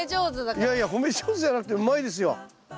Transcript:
いやいや褒め上手じゃなくてうまいですよ。